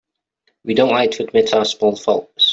We don't like to admit our small faults.